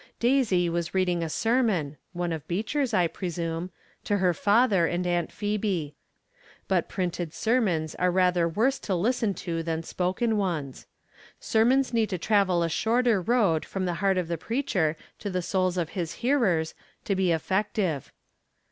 Daisy was reading a sermon (one of Beecher's, I presume) to her father and Aunt Phebe. But printed sermons are rather worse to listen to than spoken ones. Sermons need to travel a shorter road from the heart of the preacher to the souls of his hearers, to be effect ive.